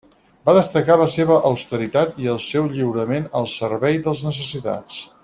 Va destacar la seva austeritat i el seu lliurament al servei dels necessitats.